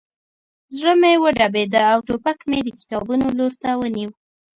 زړه مې وډبېده او ټوپک مې د کتابونو لور ته ونیو